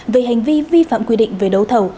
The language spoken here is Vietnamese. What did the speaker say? về hành vi vi phạm quy định về đấu thầu